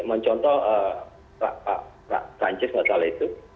mencontoh pak francis nggak salah itu